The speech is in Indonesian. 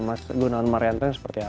mas gunawan marianto yang seperti apa gitu